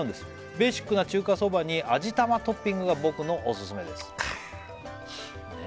「ベーシックな中華そばに味玉トッピングが僕のオススメです」